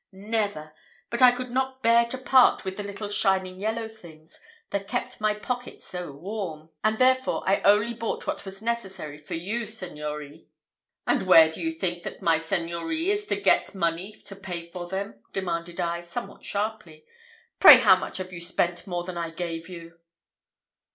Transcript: never! but I could not bear to part with the little shining yellow things, that kept my pocket so warm, and therefore I only bought what was necessary for you, signeurie." "And where do you think that my seigneurie is to get money to pay for them?" demanded I, somewhat sharply. "Pray how much have you spent more than I gave you?"